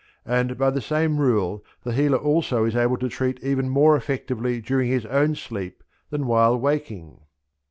And by the same rule the healer also is able to treat even more effectively during his own sleep than while waking.